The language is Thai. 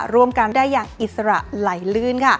ร่วมกันได้อย่างอิสระไหลลื่น